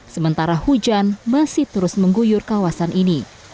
sementara hujan masih terus mengguyur kawasan ini